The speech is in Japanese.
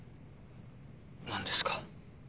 何ですか？